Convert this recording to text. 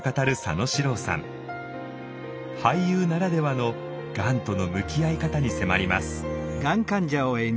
俳優ならではのがんとの向き合い方に迫ります。